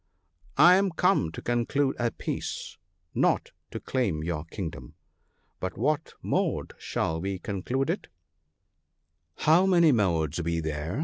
PEACE. 141 'I am come to conclude a peace, not to claim your kingdom. By what mode shall we conclude it ?'* How many modes be there